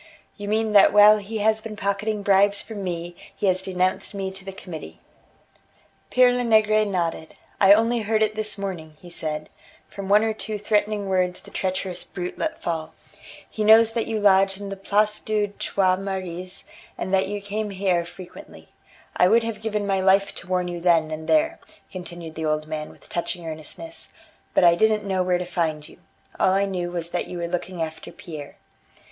"You mean that while he has been pocketing bribes from me, he has denounced me to the Committee." Pere Lenegre nodded: "I only heard it this morning," he said, "from one or two threatening words the treacherous brute let fall. He knows that you lodge in the Place des Trois Maries, and that you come here frequently. I would have given my life to warn you then and there," continued the old man with touching earnestness, "but I didn't know where to find you. All I knew was that you were looking after Pierre."